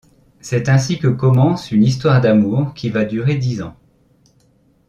C'est ainsi que commence une histoire d'amour qui va durer dix ans.